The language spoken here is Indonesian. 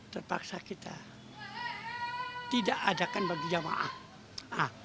terpaksa kita tidak adakan bagi jamaah